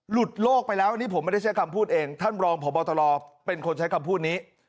โลกไปแล้วอันนี้ผมไม่ได้ใช้คำพูดเองท่านรองพบตรเป็นคนใช้คำพูดนี้